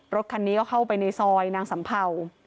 รถคันนี้ก็เข้าไปในซอยนางสัมเภา